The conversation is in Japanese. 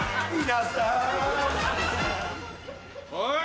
おい！